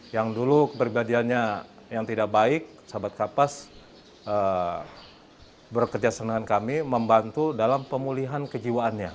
yang dulu peribadiannya yang tidak baik sahabat kapas bekerja senang kami